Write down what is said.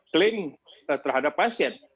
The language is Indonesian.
klaim terhadap pasien